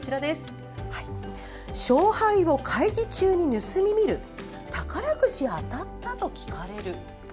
「勝敗を会議中に盗み見る「宝くじ当たった？」と聞かれる」。